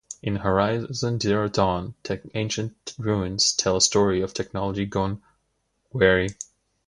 In Horizon Zero Dawn, ancient ruins tell a story of technology gone awry.